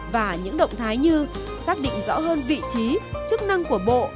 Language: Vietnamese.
và những động thái như xác định rõ hơn vị trí chức năng của bộ